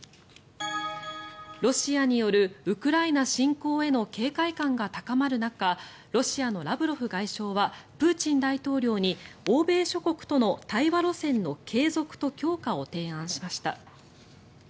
ロシアによるウクライナ侵攻への警戒感が高まる中ロシアのラブロフ外相はプーチン大統領に欧米諸国との対話路線の継続と強化を提案しました。